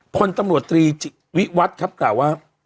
พลตำรวจตรีวิวัตรครับกล่าวว่า